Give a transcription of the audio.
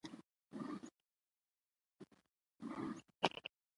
تالابونه د افغانانو د فرهنګي پیژندنې یوه برخه ده.